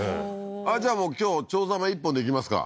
じゃあもう今日チョウザメ一本でいきますか？